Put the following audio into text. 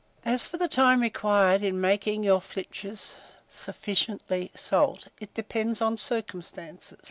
As for the time required in making your flitches sufficiently salt, it depends on circumstances.